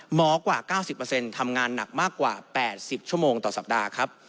กว่า๙๐ทำงานหนักมากกว่า๘๐ชั่วโมงต่อสัปดาห์ครับ